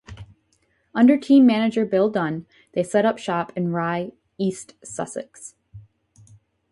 Under team manager Bill Dunne they set up shop in Rye, East Sussex.